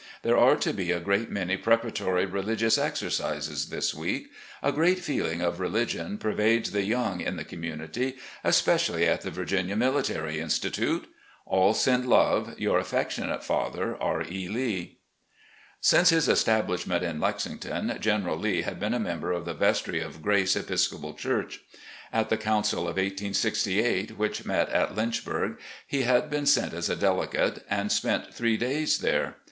There are to be a great many preparatory religious exercises this week. A great feeling of religion pervades the young in the community, especially at the Virginia Military Institute. All send love. "Your affectionate father, "R. E. Lee." Since his establishment in Lexington, General Lee had been a member of the vestry of Grace (Episcopal) church. At the council of 1868, which met at Lynch burg, he had been sent as a delegate, and spent three days there.